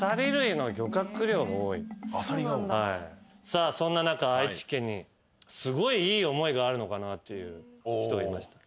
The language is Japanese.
さあそんな中愛知県にすごいいい思いがあるのかなという人がいました。